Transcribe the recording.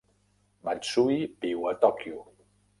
Matsui viu a Tòquio.